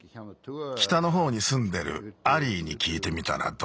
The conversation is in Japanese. きたのほうにすんでるアリーにきいてみたらどうだ？